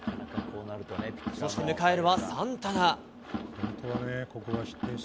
そして迎えるはサンタナ。